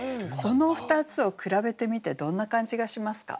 この２つを比べてみてどんな感じがしますか？